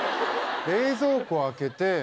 冷蔵庫開けて。